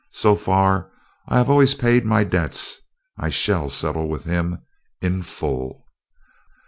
So far, I have always paid my debts.... I shall settle with him ... IN FULL."